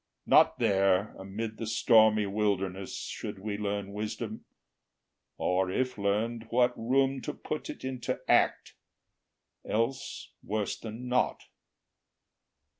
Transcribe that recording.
Not there, amid the stormy wilderness, Should we learn wisdom; or if learned, what room To put it into act, else worse than naught?